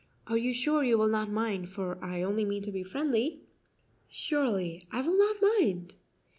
"Are you sure you will not mind, for I only mean to be friendly?" "Surely I will not mind."